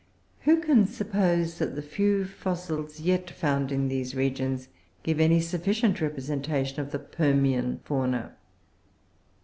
Who can suppose that the few fossils yet found in these regions give any sufficient representation of the Permian fauna?